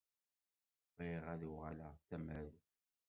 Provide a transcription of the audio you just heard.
Bɣiɣ ad uɣaleɣ d tamarut.